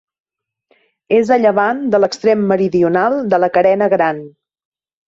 És a llevant de l'extrem meridional de la Carena Gran.